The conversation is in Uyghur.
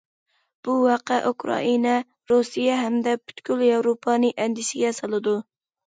بۇ ۋەقە ئۇكرائىنا، رۇسىيە ھەمدە پۈتكۈل ياۋروپانى ئەندىشىگە سالىدۇ.